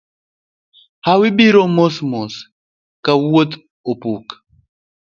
Hawi biro mos mos ka wuodh opuk.